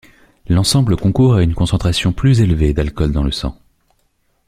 L'ensemble concourt à une concentration plus élevée d'alcool dans le sang.